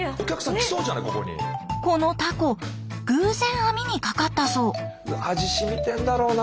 このタコ偶然網にかかったそう。